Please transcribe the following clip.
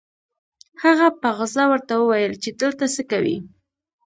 هغه په غصه ورته وويل چې دلته څه کوې؟